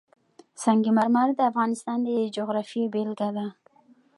سنگ مرمر د افغانستان د جغرافیې بېلګه ده.